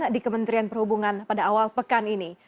di kementerian perhubungan pada awal pekan ini